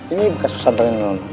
ini bekas pesantrennya non